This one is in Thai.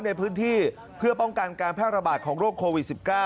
ในพื้นที่เพื่อป้องกันการแพร่ระบาดของโรคโควิด๑๙